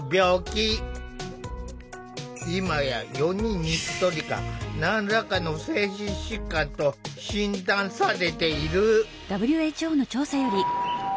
今や４人に１人が何らかの精神疾患と診断されている。